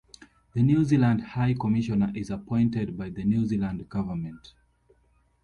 The New Zealand High Commissioner is appointed by the New Zealand Government.